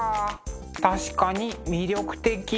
確かに魅力的。